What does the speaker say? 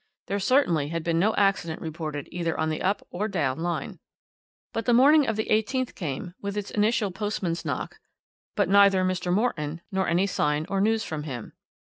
There certainly had been no accident reported either on the up or down line. "But the morning of the 18th came, with its initial postman's knock, but neither Mr. Morton nor any sign or news from him.